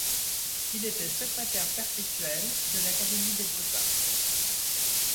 Il était secrétaire perpétuel de l'Académie des beaux-arts.